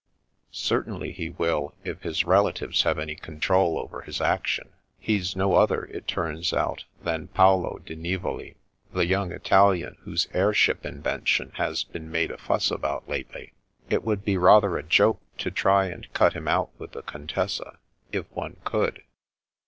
Certainly he will if Enter the Contessa 185 his relatives have any control over his actions. He's no other, it turns out, than Paolo di NivoH, the young Italian whose airship invention has been made a fuss about lately. It would be rather a joke to try and cut him out with the Contessa — if one could."